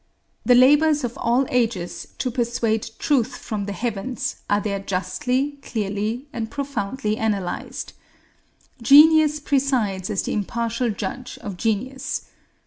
The labors of all ages to persuade truth from the heavens are there justly, clearly, and profoundly analyzed. Genius presides as the impartial judge of genius.